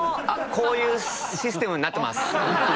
こういうシステムになってます。